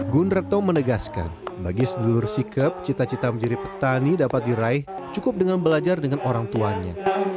gun reto menegaskan bagi sedulur sikap cita cita menjadi petani dapat diraih cukup dengan belajar dengan orang tuanya